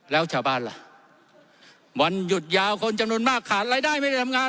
แล้วชาวบ้านล่ะวันหยุดยาวคนจำนวนมากขาดรายได้ไม่ได้ทำงาน